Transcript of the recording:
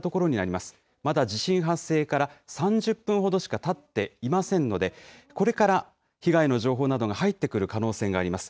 まだ地震発生から３０分ほどしかたっていませんので、これから被害の情報などが入ってくる可能性があります。